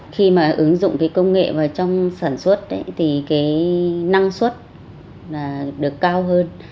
khi mà ứng dụng cái công nghệ vào trong sản xuất thì cái năng suất là được cao hơn